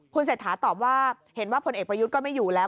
คุณเศรษฐาตอบว่าเห็นว่าพลเอกประยุทธ์ก็ไม่อยู่แล้ว